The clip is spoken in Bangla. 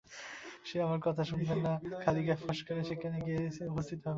সে আমার কথা শুনবে না, খালি গায়ে ফস করে সেখানে গিয়ে উপস্থিত হবে।